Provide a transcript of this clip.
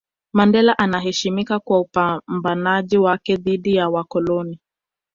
Mandela anaheshimika kwa upambanaji wake dhidi ya wakoloni